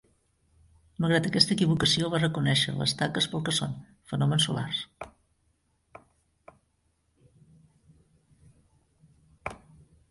Malgrat aquesta equivocació, va reconèixer a les taques pel que són: fenòmens solars.